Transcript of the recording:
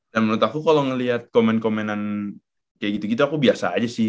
dan menurut aku kalo ngeliat komen komenan kayak gitu gitu aku biasa aja sih